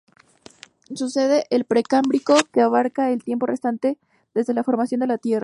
Sucede al Precámbrico, que abarca el tiempo restante desde la formación de la Tierra.